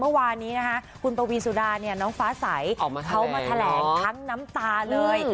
เมื่อวานนี้นะคะคุณปวีสุดาเนี่ยน้องฟ้าใสเขามาแถลงทั้งน้ำตาเลย